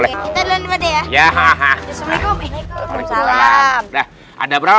enggak ada berapa